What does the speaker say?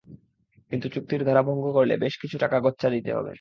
কিন্তু চুক্তির ধারা ভঙ্গ করলে বেশ কিছু টাকা গচ্চা দিতে হবে।